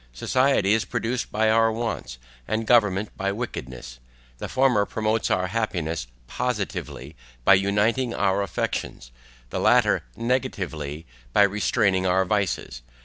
Society is produced by our wants, and government by wickedness; the former promotes our happiness POSITIVELY by uniting our affections, the latter NEGATIVELY by restraining our vices.